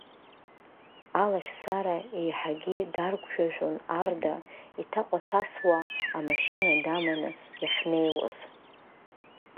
Алашьцара еиҳагьы даргәжәажәон Арда, иҭаҟәаҭасуа амашьына даманы иахьнеиуаз.